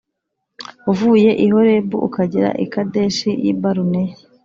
Uvuye i Horebu ukagera i Kadeshi y i Baruneya